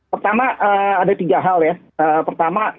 pertama ada tiga hal ya pertama